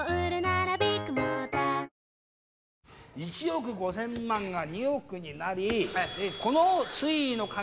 １億５，０００万が２億になり。